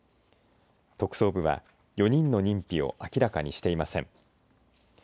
特捜部は４人の認否を明らかにしていません。